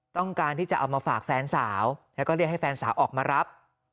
ต้องการที่จะเอามาฝากแฟนสาวแล้วก็เรียกให้แฟนสาวออกมารับ